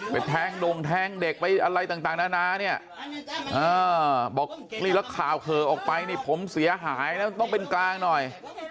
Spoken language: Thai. ไปแทงนลงแทงเด็กอะไรต่างนานาเนี่ยฮั้าบอกินี่แรกข่าวเขาออกไปนี่ผมเสียหายแล้วต้องเป็นกาลหน่อย